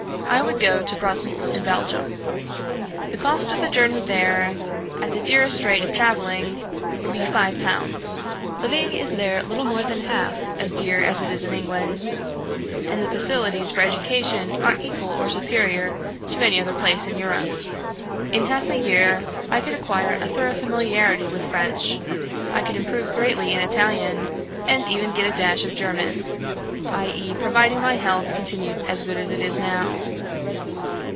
I would go to Brussels, in Belgium. The cost of the journey there, at the dearest rate of travelling, would be 5_l_.; living is there little more than half as dear as it is in England, and the facilities for education are equal or superior to any other place in Europe. In half a year, I could acquire a thorough familiarity with French. I could improve greatly in Italian, and even get a dash of German, i.e., providing my health continued as good as it is now.